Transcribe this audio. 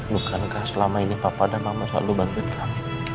bukankah selama ini papa dan mama selalu bantuin kamu